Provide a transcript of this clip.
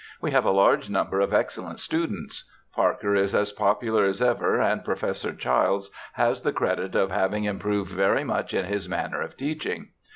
We have a large number of excellent students. Parker is as popular as ever, and Professor Childs has the credit of having improved very much in his manner of teaching.